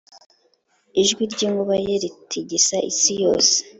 ijwi ry’inkuba ye ritigisa isi yose.